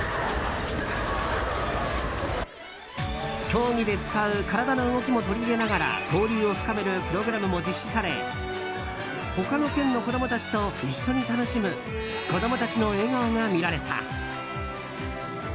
競技で使う体の動きも取り入れながら交流を深めるプログラムも実施され他の県の子供たちと一緒に楽しむ子供たちの笑顔が見られた。